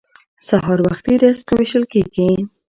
سهار وختي رزق ویشل کیږي.